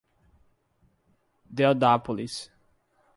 Deodápolis